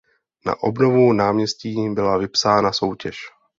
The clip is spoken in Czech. Na obnovu náměstí byla vypsána soutěž.